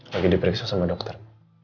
lagi diperiksa sama dokter